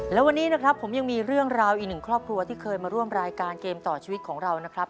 และวันนี้นะครับผมยังมีเรื่องราวอีกหนึ่งครอบครัวที่เคยมาร่วมรายการเกมต่อชีวิตของเรานะครับ